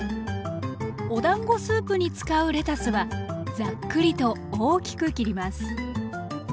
おだんごスープに使うレタスはざっくりと大きく切ります。